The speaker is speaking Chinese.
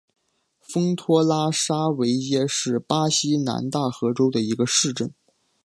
丰托拉沙维耶是巴西南大河州的一个市镇。